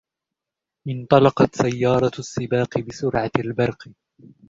انطلقت سيارة السباق بسرعة البرق.